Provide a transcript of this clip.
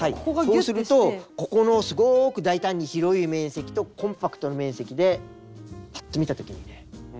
はいそうするとここのすごく大胆に広い面積とコンパクトな面積でパッと見たときにね